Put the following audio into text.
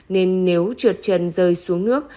nên nếu trượt chân rơi xuống nước